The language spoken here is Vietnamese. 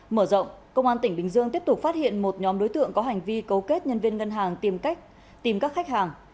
mở rộng công an tỉnh bình dương tiếp tục phát hiện một nhóm đối tượng có hành vi cấu kết nhân viên ngân hàng tìm cách tìm các khách hàng